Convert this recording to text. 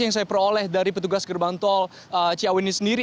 yang saya peroleh dari petugas gerbang tol ciawi ini sendiri